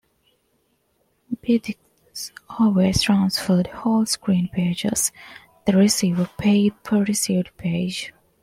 Btx always transferred whole screen pages; the receiver paid per received page.